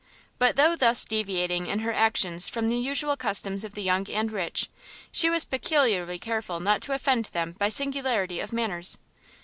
But though thus deviating in her actions from the usual customs of the young and rich, she was peculiarly careful not to offend them by singularity of manners.